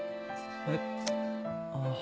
えっ？ああ。